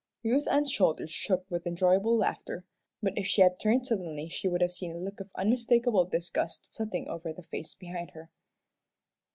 Ruth Ann's shoulders shook with enjoyable laughter, but if she had turned suddenly she would have seen a look of unmistakable disgust flitting over the face behind her.